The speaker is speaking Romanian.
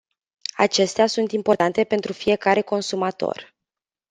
Acestea sunt importante pentru fiecare consumator.